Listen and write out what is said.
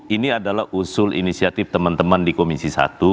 ini adalah usul inisiatif teman teman di komisi satu